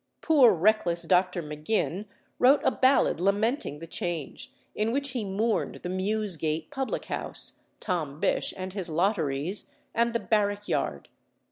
Poor reckless Dr. Maginn wrote a ballad lamenting the change, in which he mourned the Mews Gate public house, Tom Bish and his lotteries, and the barrack yard.